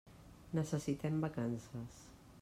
Necessitem vacances.